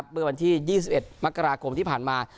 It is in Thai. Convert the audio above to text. เมื่อวันที่๒๑มกราคมที่ผ่านมา